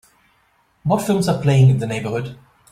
What films are playing in the neighborhood